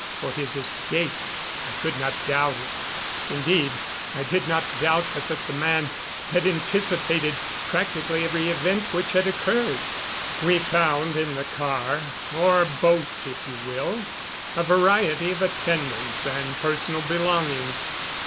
For his escape, I could not doubt it. Indeed, I did not doubt but that the man had anticipated practically every event which had occurred. We found in the car, or boat if you will, a variety of attendants and personal belongings.